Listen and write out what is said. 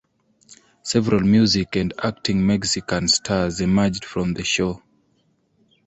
Several music and acting Mexican stars emerged from the show.